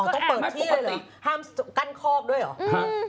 ต้องเปิดที่เลยห้ามกั้นคอกด้วยเหรอ